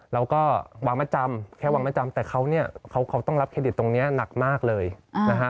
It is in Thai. เราก็วางมาจำแค่วางมาจำแต่เขาเนี่ยเขาต้องรับเครดิตตรงนี้หนักมากเลยนะฮะ